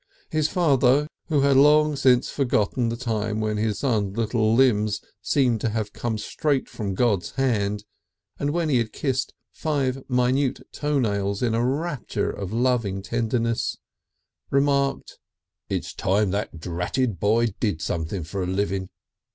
His father who had long since forgotten the time when his son's little limbs seemed to have come straight from God's hand, and when he had kissed five minute toe nails in a rapture of loving tenderness remarked: "It's time that dratted boy did something for a living."